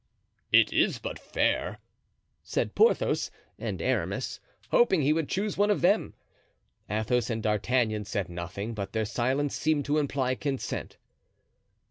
"It is but fair," said Porthos and Aramis, hoping he would choose one of them. Athos and D'Artagnan said nothing, but their silence seemed to imply consent.